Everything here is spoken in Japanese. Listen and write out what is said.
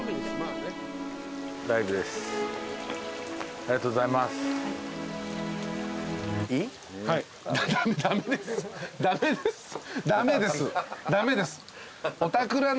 ありがとうございます。